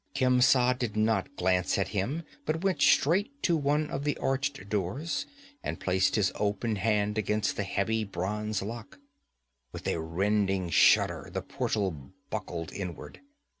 Khemsa did not glance at him, but went straight to one of the arched doors and placed his open hand against the heavy bronze lock. With a rending shudder the portal buckled inward.